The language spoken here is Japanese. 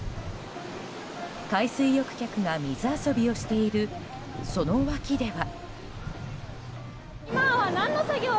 海水浴客が水遊びをしているその脇では。